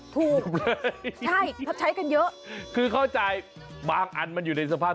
ถูกเลยใช่เขาใช้กันเยอะคือเข้าใจบางอันมันอยู่ในสภาพ